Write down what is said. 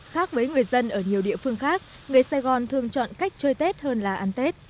khác với người dân ở nhiều địa phương khác người sài gòn thường chọn cách chơi tết hơn là ăn tết